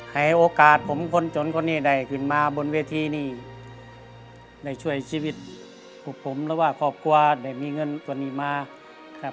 ให้โอกาสผมคนจนคนเนี้ยได้กลิ่นมาบนเวทีนี้ได้ช่วยชีวิตลูกผมและว่าขอบความได้มีเงินวันนี้มา